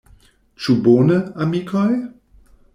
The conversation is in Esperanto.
Ĉu bone, amikoj?